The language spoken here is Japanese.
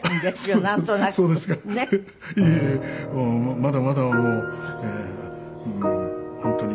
まだまだもう本当に。